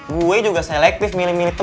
gue juga selektif milih milih tuh